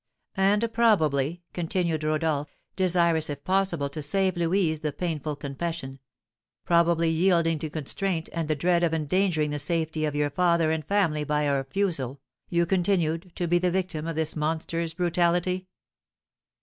"And probably," continued Rodolph, desirous if possible to save Louise the painful confession, "probably, yielding to constraint, and the dread of endangering the safety of your father and family by a refusal, you continued to be the victim of this monster's brutality?"